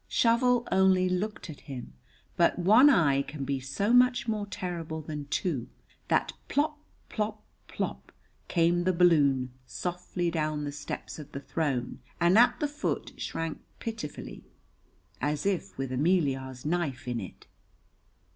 Shovel only looked at him, but one eye can be so much more terrible than two, that plop, plop, plop came the balloon softly down the steps of the throne and at the foot shrank pitifully, as if with Ameliar's knife in it.